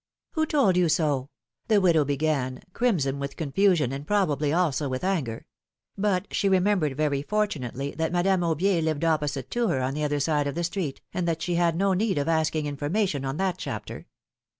^^Who told you so?" the widow began, crimson with confusion and probably also with anger ; but she remem bered very fortunately that Madame Aubier lived opposite to her on the other side of the street, and that she had no need of asking information on that chapter.